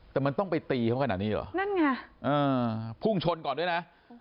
แต่มันต้องไปตีเขาขนาดนี้เหรอนั่นไงพุ่งชนก่อนด้วยนะ